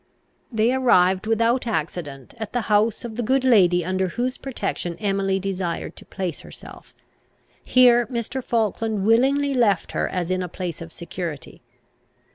They arrived without accident at the house of the good lady under whose protection Emily desired to place herself. Here Mr. Falkland willingly left her as in a place of security.